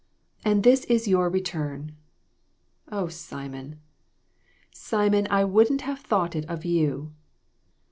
And this is your return ! Oh, Simon, Simon, I wouldn't have thought it of you